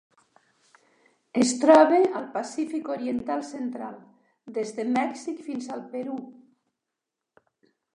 Es troba al Pacífic oriental central: des de Mèxic fins al Perú.